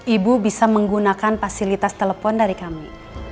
ibu bisa menggunakan fasilitas telepon dari kami